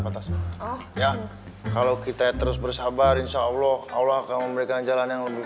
patah semangat oh ya kalau kita terus bersabar insyaallah allah akan memberikan jalan yang lebih